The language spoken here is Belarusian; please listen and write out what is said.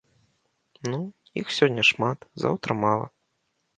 Ну, іх сёння шмат, заўтра мала.